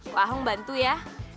ku ahong bantu ya